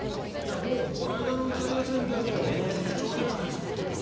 この間のイタリア戦で復調じゃないですか。